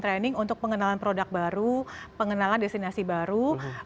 training untuk pengenalan produk baru pengenalan destinasi baru